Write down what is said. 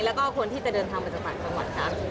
แล้วก็คนที่จะเดินทางของปัจจักรสังวัล